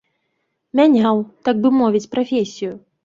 Мяняў, так бы мовіць, прафесію.